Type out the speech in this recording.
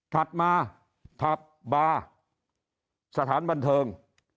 ถัดมาผับบาร์สถานบันเทิง